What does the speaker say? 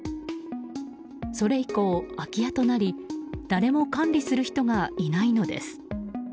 それ以降、空き家となり誰も管理する人がいないのです。